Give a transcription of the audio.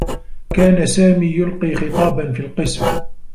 كان سامي يلقي خطابا في القسم.